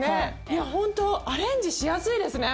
いやアレンジしやすいですね